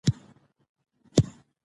ماشوم باید خپله وینا تمرین کړي.